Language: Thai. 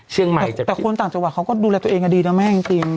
แต่คนต่างจังหวัดเขาก็ดูแลตัวเองกันดีนะแม่จริง